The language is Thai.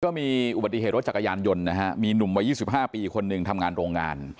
ก็มีอุบัติเหตุรถจักรยานยนต์นะฮะมีหนุ่มวัย๒๕ปีคนหนึ่งทำงานโรงงาน